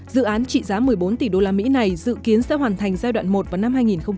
dự án trị giá một mươi bốn tỷ usd này dự kiến sẽ hoàn thành giai đoạn một vào năm hai nghìn hai mươi năm